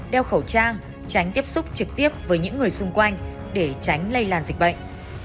đeo khẩu trang tránh tiếp xúc trực tiếp với những người xung quanh để tránh lây lan dịch bệnh